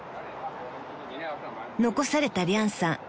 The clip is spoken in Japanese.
［残されたリャンさん